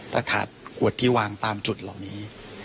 แต่ขาดขวดที่วางตามจุดเหล่านี้